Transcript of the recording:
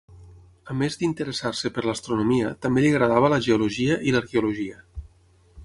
A més d'interessar-se per l'astronomia, també li agradava la geologia i l'arqueologia.